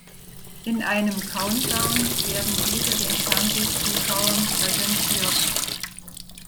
In einem Countdown werden diese den Fernsehzuschauern präsentiert.